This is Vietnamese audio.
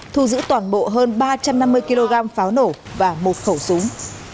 thu giữ toàn bộ hơn ba trăm năm mươi kg pháo nổ và một khẩu súng